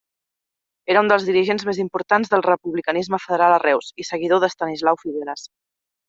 Era un dels dirigents més importants del republicanisme federal a Reus, i seguidor d'Estanislau Figueres.